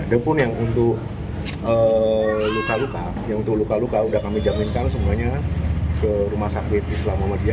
dan pun yang untuk luka luka yang untuk luka luka sudah kami jaminkan semuanya ke rumah sakit islamomedia